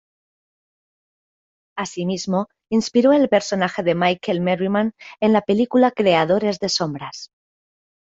Asimismo inspiró el personaje de Michael Merriman en la película "Creadores de sombras".